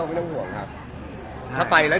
เอ่อฮาตัวตัวแตกนะครับ